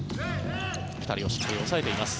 ２人をしっかり抑えています。